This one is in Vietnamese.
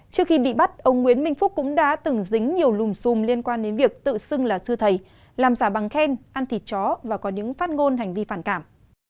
trước khi bị bắt ông nguyễn minh phúc cũng đã từng dính nhiều lùm xùm liên quan đến việc tự xưng là sư thầy làm giả bằng khen ăn thịt chó và có những phát ngôn hành vi phản cảm